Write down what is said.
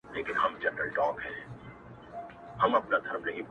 د الماسو یو غمی یې وو ورکړی,